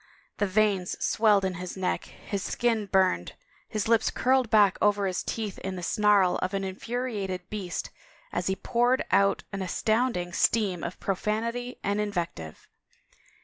The veins swelled in his neck, his skin burned, his lips curled back over his teeth in the snarl of an infuriated beast as he poured out an astotmding stream of profanity and invective.